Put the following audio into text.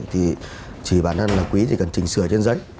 thì chỉ bản thân là quý thì cần chỉnh sửa trên giấy